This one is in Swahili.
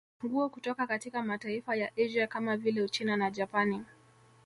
Nguo kutoka katika mataifa ya Asia kama vile Uchina na Japani